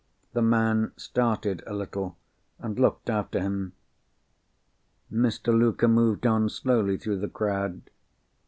The man started a little, and looked after him. Mr. Luker moved on slowly through the crowd.